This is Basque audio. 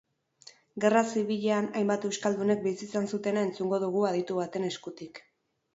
Gerra zibilean hainbat euskaldunek bizi izan zutena entzungo dugu aditu baten eskutik.